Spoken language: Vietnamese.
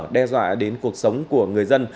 đe dọa đến cuộc sống của người dân